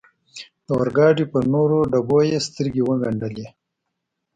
د اورګاډي پر نورو ډبو یې سترګې و ګنډلې.